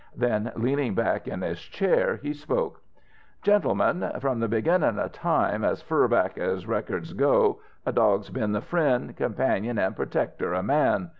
Then, leaning back in his chair, he spoke. "Gentlemen, from the beginnin' of time, as fur back as records go, a dog's been the friend, companion, an' protector of man.